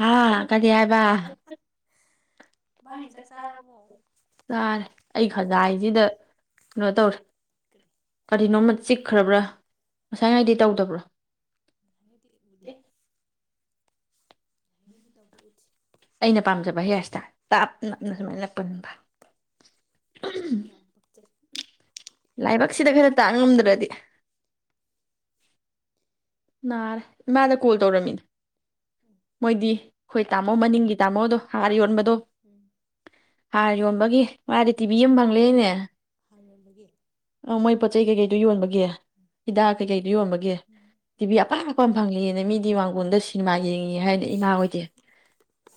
ꯍꯥ ꯀꯔꯤ ꯍꯥꯏꯕ [unintelligible] ꯆꯥꯔꯦ ꯑꯩ ꯈꯥꯖꯥꯢꯁꯤꯗ ꯀꯩꯅꯣ ꯇꯧꯔꯦ ꯀꯔꯤꯅꯣꯃ ꯆꯤꯛꯈ꯭ꯔꯕ꯭ꯔꯥ ꯉꯁꯥꯏ ꯉꯥꯏꯗꯤ ꯇꯧꯗꯕ꯭ꯔꯣ ꯑꯩꯗꯤ ꯎꯗꯦ ꯑꯩꯗꯤ ꯊꯧꯕ ꯎꯗꯦ ꯑꯩꯅ ꯄꯥꯝꯖꯕ ꯍꯤꯌꯥꯔ ꯁꯇꯥꯜ ꯇꯥꯞ ꯅꯞꯅ ꯁꯨꯃꯥꯏꯅ ꯄꯨꯟꯕ ꯅꯥꯔꯦ ꯏꯃꯥꯗ ꯀꯣꯜ ꯇꯧꯔꯝꯃꯤꯅꯦ ꯃꯣꯏꯗꯤ ꯑꯩꯈꯣꯏ ꯇꯥꯝꯃꯣ ꯃꯅꯤꯡꯒꯤ ꯇꯥꯃꯣꯗꯣ ꯍꯥꯔ ꯌꯣꯟꯕꯗꯣ ꯍꯥꯔ ꯌꯣꯟꯕꯒꯤ ꯃꯗꯤ ꯇꯤꯚꯤ ꯑꯃꯥ ꯐꯪꯂꯦꯅꯦ ꯑ ꯃꯣꯏ ꯄꯣꯠ ꯆꯩ ꯀꯩꯀꯩꯗꯣ ꯌꯣꯟꯕꯒꯤ ꯍꯤꯗꯥꯛ ꯀꯩꯀꯩꯗꯣ ꯌꯣꯟꯕꯒꯤ ꯇꯤꯚꯤ ꯑꯄꯥꯛꯄ ꯑꯃ ꯐꯪꯉꯦꯅ ꯃꯤꯗꯤ ꯃꯥꯡꯒꯣꯟꯗ ꯁꯤꯅꯤꯃꯥ ꯌꯦꯡꯉꯤꯌꯦ ꯍꯥꯏꯗꯤ ꯏꯃꯥ ꯍꯣꯏꯗꯤ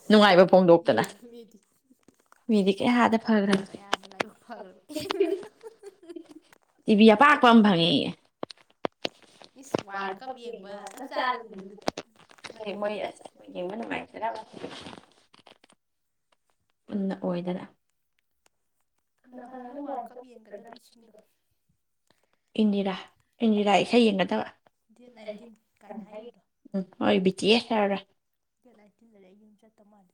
ꯅꯨꯡꯉꯥꯏꯕ ꯐꯣꯡꯗꯣꯛꯇꯅ ꯃꯤꯗꯤ ꯀꯌꯥꯗ ꯐꯈ꯭ꯔꯥꯕ ꯇꯤꯚꯤ ꯑꯄꯥꯛꯄ ꯑꯃ ꯐꯪꯉꯦꯌꯦ ꯏꯁ ꯋꯥ꯭ꯔꯜ ꯀꯞ ꯌꯦꯡꯕ ꯆꯞ ꯆꯥꯔꯅꯤꯅꯦ ꯑꯗꯨꯗꯤ ꯌꯦꯡꯕ ꯅꯨꯉꯥꯏꯇ꯭ꯔꯥ ꯄꯨꯟꯅ ꯑꯣꯏꯗꯔ ꯀꯅꯥ ꯀꯅꯥꯅ ꯋꯥꯔꯜ ꯀꯞ ꯌꯦꯡꯒꯗꯕꯤꯁꯤꯡꯗꯣ ꯗꯦꯠ ꯅꯥꯏꯟꯇꯤꯟ ꯀꯥꯏꯅ ꯍꯥꯏꯈꯤꯕꯗꯣ ꯗꯦꯠ ꯅꯥꯏꯟꯇꯤꯟꯗꯗꯤ ꯑꯩ ꯌꯨꯝ ꯆꯠꯇꯧ ꯃꯥꯜꯂꯤ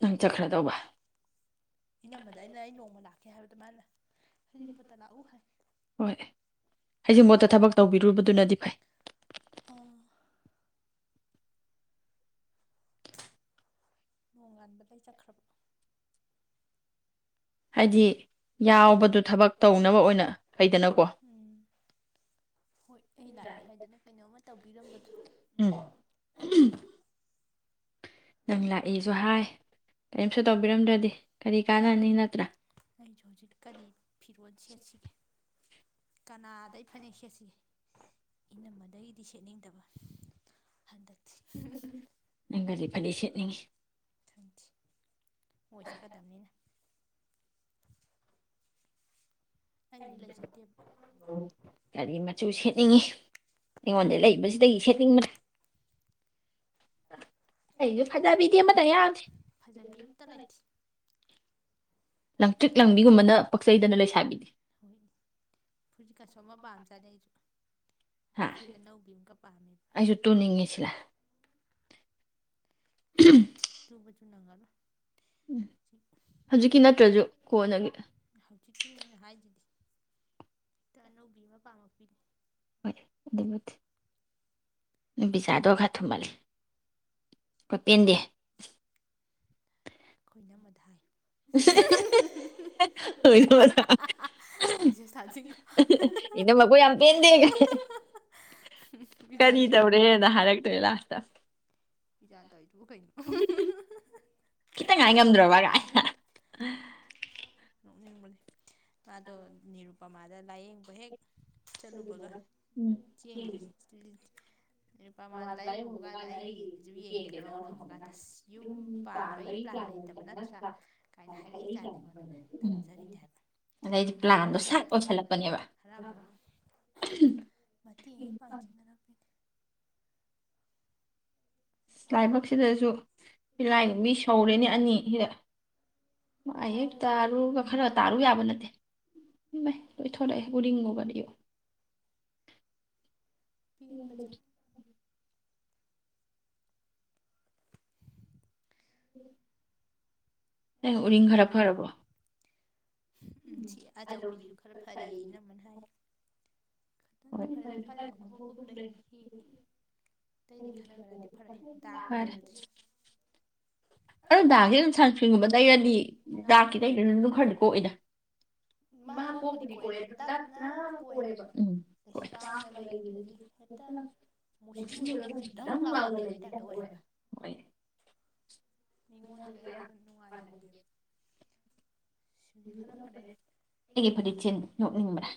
ꯅꯪ ꯆꯠꯈ꯭ꯔ ꯗꯧꯕ ꯏꯅꯝꯃꯗ ꯑꯩꯅ ꯑꯩꯪ ꯅꯣ ꯅꯣꯡꯃ ꯂꯥꯛꯀꯦ ꯍꯥꯏꯕꯗꯣ ꯃꯥꯅ ꯍꯩꯖꯤꯡꯄꯣꯠꯇꯥ ꯂꯥꯛꯎ ꯍꯥꯏ ꯍꯩꯖꯤꯡꯄꯣꯠꯇ ꯊꯕꯛ ꯇꯧꯒꯗꯣꯏꯗꯣ ꯑꯗꯨꯅꯅꯤ ꯑꯥ ꯅꯣꯡꯉꯥꯟꯕꯗꯩ ꯆꯠꯈ꯭ꯔꯕ ꯎꯝ ꯍꯣꯏ ꯑꯩ ꯂꯥꯛꯏ ꯍꯥꯏꯗꯅ ꯀꯩꯅꯣꯝꯃ ꯇꯧꯕꯤꯔꯝꯕꯗꯣ ꯎꯝ ꯎꯍꯨꯝ ꯑꯩꯁꯨ ꯍꯧꯖꯤꯛ ꯀꯔꯤ ꯐꯤꯔꯣꯜ ꯁꯦꯠꯁꯤꯒꯦ ꯀꯅꯥꯗꯒꯤ ꯐꯅꯦꯛ ꯁꯦꯠꯁꯤꯒꯦ ꯏꯅꯝꯃꯗꯒꯤꯗꯤ ꯁꯦꯠꯅꯤꯡꯗꯕ ꯍꯟꯗꯛ ꯅꯪꯒꯥꯖꯦ ꯐꯅꯦꯛ ꯁꯦꯠ ꯏꯁ ꯊꯪꯗꯤ ꯑꯣꯏ ꯆꯠꯀꯗꯕꯅꯤꯅ ꯀꯔꯤ ꯃꯆꯨ ꯁꯦꯠꯅꯤꯡꯉꯤ ꯑꯩꯉꯣꯟꯗ ꯂꯩꯕꯁꯤꯗꯒꯤ ꯁꯦꯠꯅꯤꯡꯕ ꯑꯍ ꯑꯩꯖꯨ ꯐꯖꯕꯤꯗꯤ ꯑꯃꯇ ꯌꯥꯎꯗꯦ ꯍꯣꯏ ꯐꯨꯔꯤꯠꯁꯨ ꯑꯃ ꯄꯥꯝꯖꯥꯗꯦ ꯑꯩꯁꯨ ꯐꯨꯔꯤꯠ ꯑꯅꯧꯕꯤ ꯑꯃꯒ ꯄꯥꯝꯃꯦ ꯁꯤ ꯇꯨꯕꯗꯤ ꯅꯪꯉꯔꯣꯏ [unintelligible] ꯍꯧꯖꯤꯛꯀꯤꯅꯤ ꯑꯩꯅ ꯍꯥꯏꯗꯨꯗꯤ ꯇ ꯑꯅꯧꯕꯤ ꯑꯃ ꯄꯥꯝꯃꯛꯄꯤꯅꯤ ꯍꯣꯏ ꯑꯗꯨꯕꯨꯗꯤ ꯅꯪ ꯄꯤꯁꯥꯗꯣ ꯈꯔ ꯊꯨꯃꯜꯂꯤ ꯑꯩꯈꯣꯏ ꯄꯦꯟꯗꯦ ꯑꯈꯣꯏ ꯏꯅꯝꯃꯗ ꯍꯥꯏ ꯍꯥ ꯍꯥ ꯍꯥ ꯝꯦꯁꯦꯁ ꯊꯥꯖꯤꯟꯒꯣ ꯏꯗ ꯇꯧꯏ ꯋꯣ ꯀꯩꯅꯣ ꯈꯤꯇꯪ ꯉꯥꯏ ꯉꯝꯗ꯭ꯔꯕꯒꯥꯏꯅ ꯅꯣꯛꯅꯤꯡꯕꯅꯦ ꯃꯥꯗꯣ ꯅꯤꯔꯨꯄꯃꯥꯗ ꯂꯥꯏꯌꯦꯡꯕ ꯍꯦꯛ ꯆꯪꯒꯤꯕꯒ ꯎꯝ ꯊꯦꯡꯒꯅꯤ ꯅꯨꯄꯥꯃꯥꯗ ꯂꯥꯏꯌꯦꯡꯉꯨꯕ ꯀꯥꯟꯗ ꯑꯩꯒꯤꯁꯨ ꯌꯦꯡꯒꯦꯅ ꯃꯉꯣꯟꯗ ꯍꯪꯕ ꯀꯥꯟꯗ ꯌꯨꯝ ꯄꯥꯟꯕꯒꯤ ꯂꯩꯇꯕ ꯅꯠꯇ꯭ꯔꯥ ꯀꯥꯏꯅ ꯍꯥꯏꯔꯛꯏ ꯀꯥꯏꯅ ꯑꯩꯉꯣꯟꯗꯅꯦ ꯇꯝꯖꯔꯤꯅꯦ ꯍꯥꯏꯕ ꯍꯔꯥꯎ ꯍꯔꯥꯎ ꯃꯇꯦꯡꯒꯤ ꯄꯥꯡꯖꯟꯅꯔꯝꯃꯤ ꯂꯥꯏꯕꯛꯁꯤꯗꯁꯨ ꯇꯤꯂꯥꯏꯈꯨꯝꯕꯤ ꯁꯧꯔꯦꯅꯦ ꯑꯅꯤ ꯁꯤꯗ ꯃꯥꯥꯏ ꯍꯦꯛ ꯇꯥꯔꯨꯔꯒ ꯈꯔ ꯇꯥꯔꯨ ꯌꯥꯕ ꯅꯠꯇꯦ ꯏꯃꯩ ꯂꯣꯏꯊꯣꯔꯛꯑꯦ ꯎꯔꯤꯡꯉꯣ ꯀꯔꯤꯌꯣ ꯄꯤꯟꯕꯖꯥꯠꯅꯤ [inaudible] ꯅꯪ ꯎꯔꯤꯡ ꯈꯔ ꯐꯔꯕꯣ ꯎꯝ ꯁꯤ ꯑꯆꯧꯕꯤꯁꯨ ꯈꯔ ꯐꯔꯦ ꯏꯅꯃꯟ ꯍꯥꯏ ꯍꯣꯏ [unintelligible] ꯑꯗꯣ ꯗꯥꯛꯁꯦ ꯑꯗꯨꯝ ꯁꯟꯁ꯭ꯟꯒꯨꯝꯕ ꯇꯩꯔꯗꯤ ꯗꯥꯛꯀꯤ ꯇꯩꯗꯔꯁꯨ ꯑꯗꯨꯝ ꯈꯔꯗꯤ ꯀꯣꯛꯑꯦꯗ ꯎꯝ ꯑꯣꯏ ꯃꯨꯁꯤꯟ ꯃꯨꯔꯒꯥ ꯗꯥꯡ ꯂꯥꯑꯣꯅ ꯂꯩꯕꯒꯤ ꯇꯥꯏꯞ ꯑꯣꯏ ꯑꯣꯏ ꯃꯤꯉꯣꯟꯗꯗꯤ ꯌꯥꯝꯅ ꯅꯨꯡꯉꯥꯏꯍꯟꯗꯦꯕ ꯑꯩꯒꯤ ꯐꯗꯤꯠ ꯁꯤꯟ ꯅꯣꯛꯅꯤꯡꯕ꯭ꯔꯥ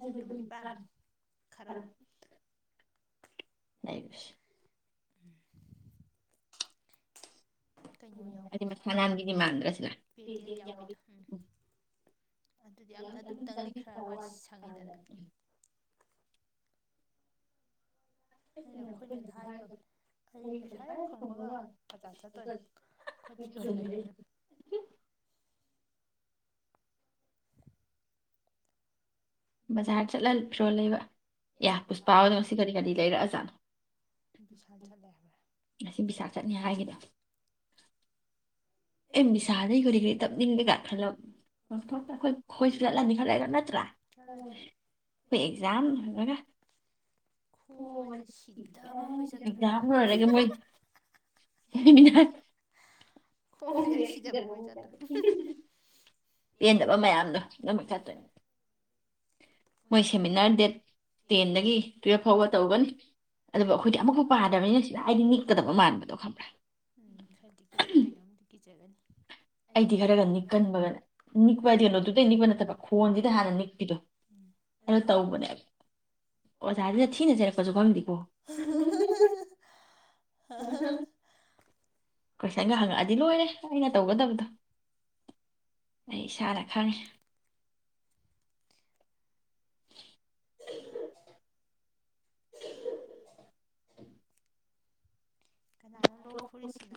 ꯑꯩ ꯑꯗꯨꯔ ꯐꯔ ꯅꯩꯁ ꯎꯝ ꯀꯩꯅꯣ ꯌꯥꯎꯗꯣ ꯄꯦ ꯗꯦꯠ ꯌꯥꯎꯕꯤꯗꯣ ꯎꯝ ꯑꯗꯨꯗꯤ ꯑ ꯑꯗꯨꯝꯇꯪꯗꯤ ꯈꯔꯋꯥꯏ ꯁꯪꯉꯦꯗꯅ [unintelligible] ꯕꯖꯥꯔ ꯆꯠꯂ ꯐꯤꯔꯣꯟ ꯂꯩꯕ ꯌꯥ ꯄꯨꯁꯄꯥꯗꯣ ꯉꯁꯤ ꯀꯔꯤ ꯀꯔꯤ ꯂꯩꯔꯛꯑꯖꯥꯠꯅꯣ ꯉꯁꯤ ꯕꯤꯁꯥꯜ ꯆꯠꯅꯤ ꯍꯥꯏꯒꯤꯕ ꯒꯤꯁꯟꯗꯒꯤ ꯀꯔꯤ ꯀꯔꯤ ꯇꯞꯅꯤꯡꯕꯦꯒ ꯈꯜꯂ ꯑꯩꯈꯣꯏ ꯈꯣꯏꯁꯨ ꯆꯠꯂꯅꯤ ꯈꯜꯂꯒ ꯅꯠꯇ꯭ꯔꯥ ꯑꯩꯈꯣꯏ ꯑꯦꯛꯖꯥꯝ ꯂꯣꯏꯔꯒ ꯑꯦꯛꯖꯥꯝ ꯂꯣꯏꯔꯒ ꯃꯣꯏ ꯍꯦ ꯍꯦ ꯍꯥ ꯈꯣꯡꯁꯦ ꯍꯦꯛ ꯁꯤꯗꯕꯅꯟꯒꯩ ꯆꯥꯇꯣꯔꯤꯅꯤ ꯍꯨꯝ ꯍꯨꯝ ꯄꯦꯟꯗꯕ ꯃꯌꯥꯝꯗꯣ ꯑꯗꯨꯝ [unintelligible] ꯎꯝ ꯈꯔꯗꯤ ꯀꯩꯅꯣꯝꯗꯤ ꯀꯤꯖꯒꯅꯤ [inaudible] ꯑꯩꯗꯤ ꯈꯔꯒ ꯅꯤꯛꯀꯟꯕꯒ ꯅꯤꯛꯄ ꯍꯥꯏꯗꯤ ꯀꯩꯅꯣꯗꯨꯗꯩ ꯅꯤꯄ ꯅꯠꯇꯕ ꯈꯣꯟꯁꯤꯗ ꯍꯥꯟꯅ ꯅꯤꯛꯄꯤꯗꯣ ꯀꯩꯅꯣ ꯇꯧꯕꯅꯦ ꯑꯣꯖꯥꯗꯨꯅ ꯊꯤꯅ ꯆꯩꯔꯛꯄꯁꯨ ꯈꯪꯗꯦꯀꯣ [inaudible] ꯀꯣꯏꯁꯟꯒ ꯍꯉꯛꯑ ꯗꯤ ꯂꯣꯏꯔꯦ ꯑꯩꯅ ꯇꯧꯒꯗꯕꯗꯣ ꯑꯩ ꯏꯁꯥꯅ ꯈꯪꯉꯤ ꯀꯅꯥꯅꯣ ꯂꯣꯛ ꯈꯨꯔꯤꯁꯤꯅ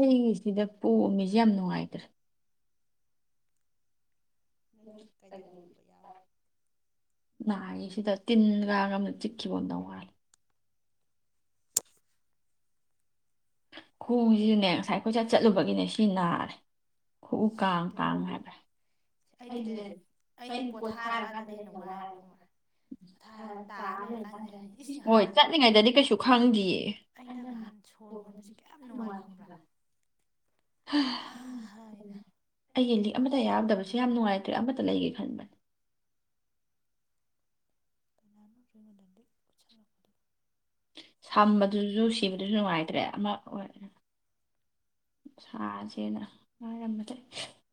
ꯑꯩꯒꯤ ꯁꯤꯗ ꯄꯣꯝꯃꯤꯖꯤ ꯌꯥꯝ ꯅꯨꯡꯉꯥꯏꯇ꯭ꯔꯦ ꯅꯪ ꯀꯩꯗꯧꯔꯨꯕ ꯌꯥꯎꯋꯤ ꯅꯥꯏ ꯁꯤꯗ ꯇꯤꯟ ꯀꯥꯡ ꯑꯃꯅ ꯆꯤꯛꯈꯤꯕ ꯑꯣꯏꯔꯝꯗꯧ ꯃꯥꯂꯦ ꯈꯣꯡꯖꯤꯖꯨꯅꯦ ꯉꯁꯥꯏ ꯀꯣꯏꯆꯠ ꯆꯠꯂꯨꯕꯒꯤꯅꯦ ꯁꯤ ꯅꯥꯔꯦ ꯈꯨꯎ ꯀꯥꯡ ꯀꯥꯡ ꯍꯥꯏꯕ꯭ꯔ ꯑꯩꯗꯤꯅꯦ ꯑꯩꯗꯤ ꯄꯣꯊꯥꯔꯀꯥꯟꯗꯅ ꯍꯦꯟꯅ ꯋꯥꯏꯑꯦꯕ ꯈꯪꯕ ꯄꯣꯊꯥꯔ ꯇꯥꯔ ꯂꯩꯔꯀꯥꯟꯗꯅꯦ ꯏꯁ ꯉꯍꯥꯟ ꯑꯩꯅ ꯉꯍꯥꯟ ꯁꯣꯔ ꯍꯣꯟꯕꯁꯦ [unintelligible] ꯑꯩꯒꯤ ꯂꯤꯛ ꯑꯃꯇ ꯌꯥꯎꯗꯕꯁꯦ ꯌꯥꯝ ꯅꯨꯡꯉꯥꯏꯇ꯭ꯔꯦ ꯑꯃꯠꯇ ꯂꯩꯒꯦ ꯈꯟꯕꯅꯦ [inaudible] ꯁꯝꯕꯗꯨꯁꯨ ꯁꯤꯕꯗꯨꯖꯨ ꯅꯨꯡꯉꯥꯏꯇ꯭ꯔꯦ ꯑꯃ ꯑꯣꯏꯔ ꯁꯥꯁꯦꯅ ꯍꯥꯏꯔꯝꯕꯗꯩ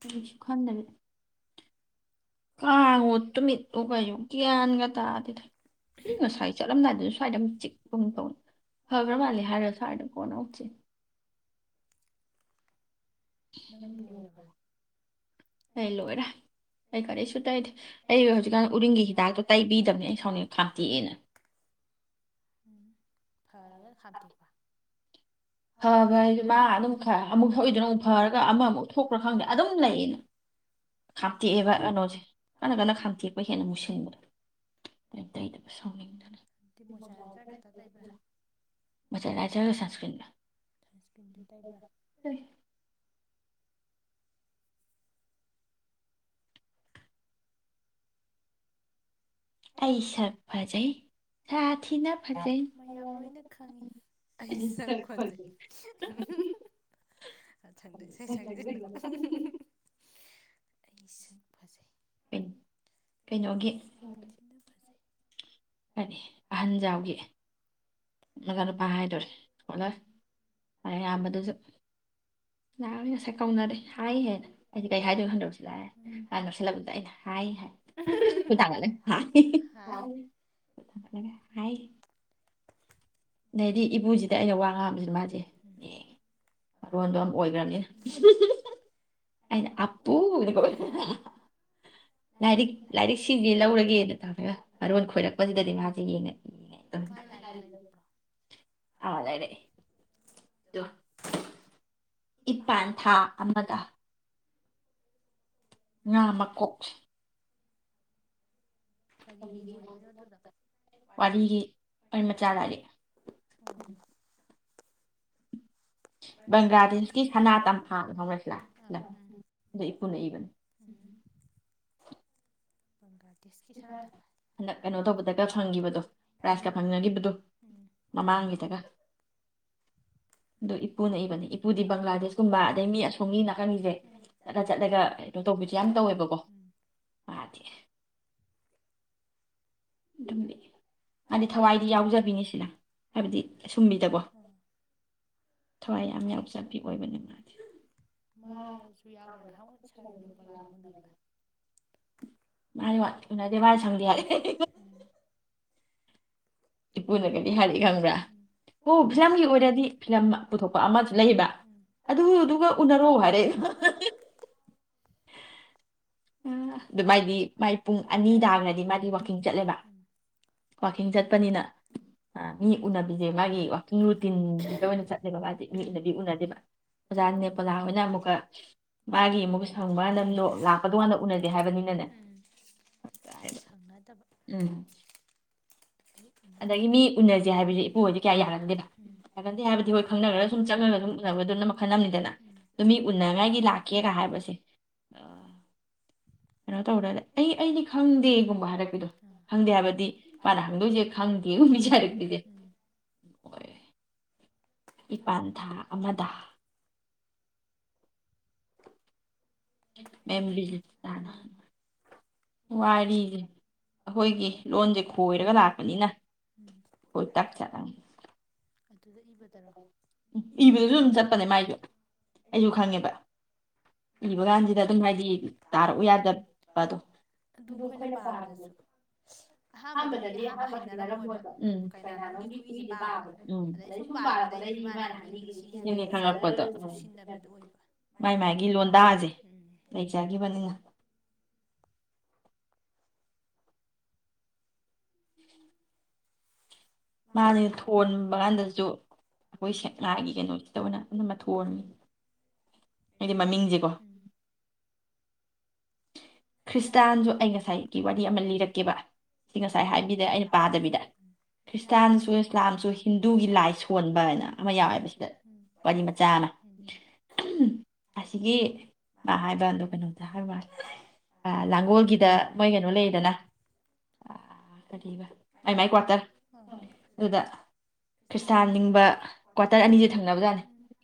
ꯀꯔꯤꯁꯨ ꯈꯟꯗꯔꯦ ꯀꯥꯡꯉꯣ ꯇꯨꯃꯤꯠ ꯑꯣ ꯀꯩꯑꯣ ꯒ꯭ꯌꯥꯟꯒ ꯇꯥꯗꯦꯗ ꯉꯁꯥꯏ ꯆꯠꯂꯝꯗꯥꯏꯗꯁꯨ ꯁ꯭ꯋꯥꯏꯗ ꯆꯤꯛꯄꯨꯡ ꯇꯧꯕꯅꯤ ꯐꯒ꯭ꯔ ꯃꯥꯜꯂꯦ ꯍꯥꯏꯔ ꯁ꯭ꯋꯥꯏꯗ ꯀꯣꯟꯅ ꯃꯨꯛꯆꯤ ꯑꯩ ꯂꯣꯏꯔꯦ ꯑꯩꯩ ꯀꯔꯤꯁꯨ ꯇꯩꯗꯦ ꯎꯝ ꯐꯔꯒ ꯈꯥꯝꯇꯦꯛꯄ ꯐ ꯐꯦꯗꯤ ꯃꯥ ꯑꯗꯨꯝ ꯑꯃꯨꯛ ꯁꯏꯗꯅ ꯑꯃꯨꯛ ꯐꯔꯒ ꯑꯃꯃꯨꯛ ꯊꯣꯛꯄ꯭ꯔꯥ ꯈꯪꯗ꯭ꯔꯦ ꯑꯗꯨꯝ ꯂꯩꯌꯦꯅ ꯍꯥꯥꯞꯇꯦꯛꯑꯦꯕ ꯀꯩꯅꯣꯁꯦ ꯀꯟꯅ ꯀꯟꯅ ꯈꯥꯝꯊꯦꯛꯄ ꯍꯦꯟꯅ ꯃꯨꯁꯤꯟꯕꯗ ꯑꯩꯅ ꯇꯩꯗꯕ ꯁꯥꯎꯅꯤꯡꯗꯅ ꯃꯆꯔꯥꯏꯖꯔꯒ ꯁꯟꯁꯀ꯭ꯔꯤꯟꯗ ꯁꯟꯁꯀ꯭ꯔꯤꯟꯖꯨ ꯇꯩꯕ꯭ꯔꯥ ꯑꯩ ꯁꯛ ꯐꯖꯩ ꯁꯥ ꯊꯤꯅ ꯐꯖꯩ [unintelligible] ꯑꯩ ꯁꯛ ꯐꯖꯩ ꯎꯝ ꯀꯩꯅꯣꯒꯤ ꯀꯔꯤ ꯑꯍꯟꯖꯥꯎꯒꯤ ꯃꯒꯅꯨꯄꯥ ꯍꯥꯏꯗꯣꯔꯦ ꯑꯣꯅꯕꯔꯦ ꯃꯂꯦꯑꯥꯝꯕꯗꯨꯖꯨ ꯂꯅꯤ ꯉꯁꯥꯏ ꯀꯧꯅꯔꯦ ꯍꯥꯏ ꯍꯥꯏꯅ ꯑꯩꯗꯤ ꯀꯩ ꯍꯥꯏꯗꯣꯏꯅꯣ ꯈꯟꯗ꯭ꯔꯕ ꯁꯤꯂꯥ ꯑꯩꯅ ꯃꯥ ꯅꯣꯛꯁꯤꯜꯂꯛꯄꯗꯨꯗ ꯑꯩꯅ ꯍꯥꯏ ꯈꯨꯠ ꯊꯥꯡꯒꯠꯂꯦ ꯍꯥꯏ ꯍꯥꯏ ꯑꯗꯩꯗꯤ ꯏꯄꯨꯁꯤꯗ ꯑꯩꯅ ꯋꯥ ꯉꯥꯡꯕꯁꯤꯅ ꯃꯥꯖꯦ ꯌꯦꯡꯉꯦ ꯃꯔꯣꯟꯗꯣ ꯑꯃ ꯑꯣꯏꯒ꯭ꯔꯝꯅꯤꯅ ꯑꯩꯅ ꯑꯄꯨꯅ ꯀꯧꯑꯦ ꯂꯥꯏꯔꯤꯛ ꯂꯥꯏꯔꯤꯛ ꯁꯤꯖꯦ ꯂꯧꯔꯒꯦꯅ ꯇꯧꯔꯒ ꯃꯔꯣꯟ ꯈꯣꯏꯔꯛꯄꯖꯤꯗꯗꯤ ꯃꯥꯖꯦ ꯌꯦꯡꯉ ꯌꯦꯡꯉ ꯑ ꯂꯩꯔꯛꯑꯦ ꯊꯨ ꯏꯄꯥꯟ ꯊꯥ ꯑꯃꯗ ꯉꯥ ꯃꯀꯣꯁ ꯀꯔꯤꯒꯤ ꯑꯣꯏꯗꯣꯏꯅꯣ ꯑꯗꯨꯗꯣ ꯋꯥꯔꯤꯂꯤ ꯋꯥꯔꯤ ꯃꯆꯥ ꯂꯥꯢꯔꯤꯛ ꯎꯝ ꯕꯪꯒ꯭ꯂꯥꯗꯦꯁꯀꯤ ꯁꯥꯅ ꯇꯝꯐꯥ ꯐꯝꯕꯥꯁꯤꯜꯂꯥ ꯑꯗꯨ ꯏꯄꯨꯅ ꯏꯕꯅꯤ ꯍꯟꯗꯛ ꯀꯩꯅꯣ ꯇꯧꯕꯗꯒ ꯐꯪꯒꯤꯕꯗꯣ ꯄ꯭ꯔꯥꯏꯖꯀ ꯐꯪꯅꯒꯤꯕꯗꯣ ꯃꯃꯥꯡꯒꯤꯗꯒ ꯑꯗꯨ ꯏꯄꯨꯅ ꯏꯕꯅꯦ ꯏꯄꯨꯗꯤ ꯕꯪꯒ꯭ꯂꯥꯗꯦꯁꯀꯨꯝꯕ ꯑꯗꯩ ꯃꯤ ꯑꯁꯣꯝꯒꯤ ꯅꯥꯀꯟꯒꯤꯁꯦ ꯆꯠꯂ ꯆꯠꯂꯒ ꯀꯩꯅꯣ ꯇꯧꯕꯥꯁꯦ ꯌꯥꯝ ꯇꯧꯋꯦꯕꯀꯣ ꯃꯥꯗꯤ ꯑꯗꯨꯝꯅꯤ ꯃꯥꯗꯤ ꯊꯋꯥꯏꯗꯤ ꯌꯥꯎꯖꯕꯤꯅꯤ ꯁꯤꯅ ꯍꯥꯏꯕꯗꯤ ꯑꯁꯨꯝꯕꯤꯗꯀꯣ ꯊꯋꯥꯏ ꯌꯥꯝ ꯌꯥꯎꯖꯕꯤ ꯑꯣꯏꯕꯅꯦ ꯃꯥꯗꯤ ꯃꯥꯗꯤ ꯎꯅꯗꯦ ꯃꯥꯗꯤ ꯁꯪꯗꯦ ꯍꯥꯢꯌꯦ ꯍꯦꯍꯦ ꯢꯄꯨꯅꯒꯗꯤ ꯍꯥꯢꯔꯛꯢ ꯈꯪꯕ꯭ꯔꯥ ꯑꯣ ꯐꯤꯂꯝꯒꯤ ꯑꯣꯢꯔꯗꯤ ꯐꯤꯂꯝ ꯄꯨꯊꯣꯛꯄ ꯑꯃꯥꯁꯨ ꯂꯩꯌꯦꯕ ꯑꯗꯨꯗꯨꯒ ꯎꯟꯅꯔꯣ ꯍꯥꯢꯔꯛꯢꯕ ꯑꯍꯤ ꯍꯥ ꯍꯥ ꯑꯗꯨ ꯃꯥꯏꯗꯤ ꯃꯥꯥꯏ ꯄꯨꯡ ꯑꯅꯤ ꯇꯥꯈ꯭ꯔꯗꯤ ꯃꯥꯗꯤ ꯋꯥꯛꯀꯤꯡ ꯆꯠꯂꯦꯕ ꯋꯥꯛꯀꯤꯡ ꯆꯠꯄꯅꯤꯅ ꯃꯤ ꯎꯅꯕꯤꯖꯦ ꯃꯥꯒꯤ ꯋꯥꯛꯀꯤꯡ ꯔꯨꯇꯤꯟꯁꯤꯗ ꯑꯣꯏꯅ ꯆꯠꯂꯦꯕ ꯃꯥꯗꯤ ꯃꯤ ꯎꯅꯕꯤ ꯎꯅꯗꯦꯕ ꯑꯣꯖꯥ ꯅꯦꯄꯣꯂꯤꯟ ꯍꯣꯏꯅ ꯑꯃꯨꯛꯀ ꯃꯥꯒꯤ ꯑꯃꯨꯛ ꯍꯪꯕ ꯅꯝꯅꯣ ꯂꯥꯛꯄꯗꯣꯟꯗ ꯎꯟꯅꯗꯦ ꯍꯥꯏꯕꯅꯤꯅꯅꯦ ꯎꯝ ꯑꯗꯒꯤ ꯃꯤ ꯎꯅꯁꯦ ꯍꯥꯏꯕꯁꯦ ꯏꯄꯨꯍꯣꯏꯗꯤ ꯀꯌꯥ ꯌꯥꯒꯟꯗꯦꯕ ꯌꯥꯒꯟꯗꯦ ꯍꯥꯏꯕꯗꯤ ꯍꯣꯏ ꯈꯪꯅꯈ꯭ꯔꯒ ꯁꯨꯝ ꯆꯪꯅꯔꯥꯒ ꯁꯨꯝ ꯆꯪꯉꯥꯒ ꯎꯟꯅꯕꯗꯨꯅ ꯃꯈꯜ ꯑꯃꯅꯤꯗꯅ ꯑꯗꯣ ꯃꯤ ꯎꯟꯅꯥꯅꯤꯡꯉꯥꯏꯒꯤ ꯂꯥꯛꯀꯦꯒ ꯍꯥꯏꯕꯁꯦ ꯑꯝ ꯀꯩꯅꯣ ꯇꯧꯔꯔꯦ ꯑꯩ ꯑꯩꯗꯤ ꯈꯪꯗꯦꯒꯨꯝꯕ ꯍꯥꯏꯔꯛꯄꯤꯗꯣ ꯈꯪꯗꯦ ꯍꯥꯏꯕꯗꯤ ꯃꯥꯅ ꯍꯪꯗꯣꯏꯖꯦ ꯈꯪꯗꯦꯒꯨꯝꯕꯤꯖꯦ ꯍꯥꯏꯔꯛꯄꯤꯖꯦ ꯍꯣꯢ ꯏꯄꯥꯟ ꯊꯥ ꯑꯃꯥꯗ ꯃꯦꯝ ꯔꯤꯖꯤꯠꯇꯥꯅ ꯋꯥꯔꯤꯖꯦ ꯑꯩꯈꯣꯏꯒꯤ ꯂꯣꯟꯖꯦ ꯈꯣꯏꯔꯒ ꯂꯥꯛꯄꯅꯤꯅ ꯈꯣꯏ ꯇꯛ ꯆꯠꯂꯦ ꯎꯝ ꯏꯕꯗꯖꯨ ꯑꯗꯨꯝ ꯆꯠꯄꯅꯦ ꯃꯥꯏꯗꯤ ꯑꯩꯖꯨ ꯈꯪꯉꯦꯕ ꯏꯕ ꯀꯥꯟꯒꯤꯗ ꯑꯗꯨꯝ ꯍꯥꯏꯗꯤ ꯇꯥꯔꯛꯎ ꯌꯥꯗꯕꯗꯣ ꯑꯗꯨ ꯑꯩꯈꯣꯏꯅ ꯄꯥꯕꯗꯗꯤ ꯑꯍꯥꯟꯕꯗꯗꯤ ꯑꯍꯥꯝꯕ ꯍꯩꯅꯔꯝꯃꯣꯏꯕ ꯎꯝ ꯀꯩꯏꯅꯥꯅꯣꯡꯒꯤ ꯀꯨꯏꯁꯦ ꯄꯥꯕꯗ ꯎꯝ ꯑꯗꯩ ꯁꯨꯝ ꯨꯁꯨꯝ ꯄꯥꯔꯛꯄꯗꯩꯗꯤ ꯃꯅꯥ ꯍꯥꯢꯅꯤꯡꯉꯤꯖꯦ ꯁꯤꯖꯤꯅꯦ ꯈꯪꯉꯛꯄꯗꯣ ꯃꯥꯏ ꯃꯥꯢꯒꯤ ꯂꯣꯟꯗꯥꯖꯦ ꯂꯩꯖꯒꯤꯕꯅꯤꯅ ꯃꯥꯟꯅꯦ ꯊꯣꯟꯕ ꯀꯥꯟꯗꯁꯨ ꯑꯩꯈꯣꯏ ꯁꯦꯛꯅꯃꯥꯏꯒꯤ ꯀꯩꯅꯣꯁꯤꯗ ꯑꯣꯏꯅ ꯑꯅꯝꯕ ꯊꯣꯟꯃꯤ ꯍꯥꯏꯗꯤ ꯃꯃꯤꯡꯁꯦꯀꯣ ꯈ꯭ꯔꯤꯁꯇꯥꯟꯖꯨ ꯑꯩ ꯉꯁꯥꯏꯒꯤ ꯋꯥꯔꯤ ꯑꯃ ꯂꯤꯔꯛꯀꯦꯕ ꯑꯩ ꯉꯁꯥꯏ ꯍꯥꯏꯕꯤꯗ ꯑꯩꯅ ꯄꯥꯗꯕꯤꯗ ꯈ꯭ꯔꯤꯁꯇꯥꯟꯖꯨ ꯏꯁꯂꯥꯝꯖꯨ ꯍꯤꯟꯗꯨꯒꯤ ꯂꯥꯏ ꯁꯣꯟꯕ ꯍꯥꯏꯅ ꯑꯃ ꯌꯥꯎꯋꯦꯕ ꯁꯤꯗ ꯋꯥꯔꯤ ꯃꯆꯥ ꯑꯃ ꯑꯁꯤꯒꯤ ꯃꯥ ꯍꯥꯏꯕ ꯑꯗꯣ ꯀꯩꯅꯣꯝꯗ ꯍꯥꯏꯕ ꯃꯥꯜꯂꯦ ꯑ ꯂꯥꯡꯒꯣꯜꯒꯤꯗ ꯃꯣꯏ ꯀꯩꯅꯣ ꯂꯩꯗꯅ ꯑ ꯃꯥꯢ ꯃꯥꯏ ꯀ꯭ꯋꯥꯇꯔ ꯑꯗꯨꯗ ꯈ꯭ꯔꯤꯁꯇꯥꯟ ꯅꯤꯡꯕ ꯀ꯭ꯋꯥꯇꯔ ꯑꯅꯤꯖꯦ ꯊꯪꯅꯕꯖꯥꯠꯅꯦ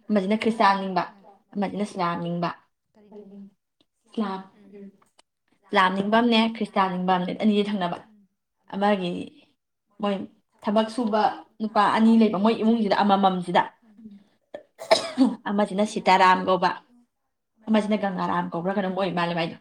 ꯑꯃꯁꯤꯅ ꯈ꯭ꯔꯤꯁꯇꯥꯟ ꯅꯤꯡꯕ ꯑꯃꯁꯤꯅ ꯏꯁꯂꯥꯝ ꯅꯤꯡꯕ ꯀꯔꯤ ꯅꯤꯡꯕ ꯏꯁꯂꯥꯝ ꯎꯝ ꯢꯁꯂꯥꯝ ꯅꯤꯡꯕ ꯑꯃꯥꯅꯦ ꯈ꯭ꯔꯤꯁꯇꯥꯟ ꯅꯤꯡꯕ ꯑꯝꯅꯦ ꯑꯅꯤꯁ ꯊꯪꯅꯕ ꯑꯃꯒꯤ ꯃꯣꯏ ꯊꯕꯛ ꯁꯨꯕ ꯅꯨꯄꯥ ꯑꯅꯤ ꯂꯩꯕ ꯃꯣꯏ ꯏꯃꯨꯡꯁꯤꯗ ꯑꯃꯃꯝꯁꯤꯗ ꯑꯃꯁꯤꯅ ꯁꯤꯇꯥꯔꯥꯝ ꯀꯧꯕ ꯑꯃꯁꯤꯅ ꯒꯪꯒꯥꯔꯥꯝ ꯀꯧꯕ꯭ꯔꯥ ꯀꯩꯅꯣꯝ ꯑꯣꯏ ꯃꯥꯜꯂꯦ ꯃꯥꯏꯗꯣ